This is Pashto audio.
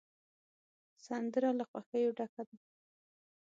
سندره له خوښیو ډکه ده